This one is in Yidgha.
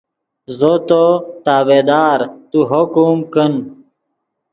زو تو تابعدار تو حکم کن